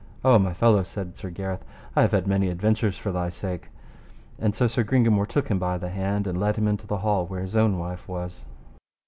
O my fellow, said Sir Gareth, I have had many adventures for thy sake. And so Sir Gringamore took him by the hand and led him into the hall where his own wife was.